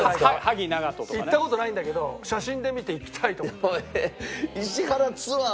行った事ないんだけど写真で見て行きたいと思った。